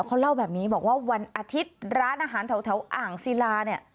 เขาเล่าแบบนี้บอกว่าวันอาทิตย์ร้านอาหารแถวอ่างศิลาเนี่ย